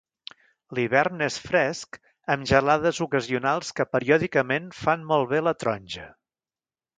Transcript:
L'hivern és fresc amb gelades ocasionals que periòdicament fan malbé la taronja.